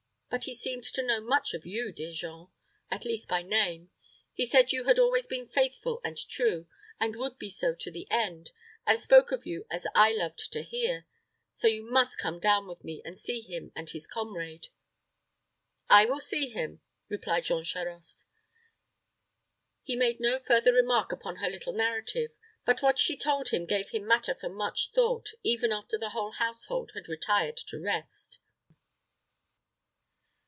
But he seemed to know much of you, dear Jean, at least by name. He said you had always been faithful and true, and would be so to the end, and spoke of you as I loved to hear. So you must come down with me, and see him and his comrade." "I will see him," replied Jean Charost. He made no further remark upon her little narrative; but what she told him gave him matter for much thought, even after the whole household had retired to rest.